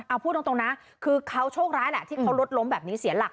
เอาพูดตรงนะคือเขาโชคร้ายแหละที่เขารถล้มแบบนี้เสียหลัก